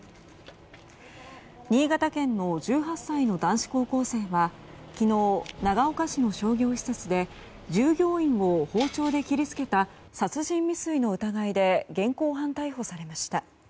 新潟県の１８歳の男子高校生は昨日、長岡市の商業施設で従業員を包丁で切りつけた殺人未遂の疑いで現行犯逮捕されました。